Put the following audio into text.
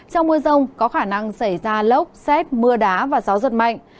trong mưa rông có khả năng xảy ra lốc xét mưa đá và gió giật mạnh